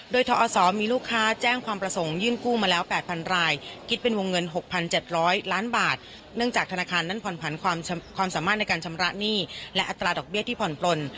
โดยทอศมีลูกค้าแจ้งความประสงค์ยื่นกู้มาแล้ว๘๐๐รายคิดเป็นวงเงิน๖๗๐๐ล้านบาทเนื่องจากธนาคารนั้นผ่อนผันความสามารถในการชำระหนี้และอัตราดอกเบี้ยที่ผ่อนปลน